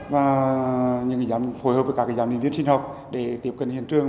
và những giám phối hợp với các giám nhân viên sinh học để tiếp cận hiện trường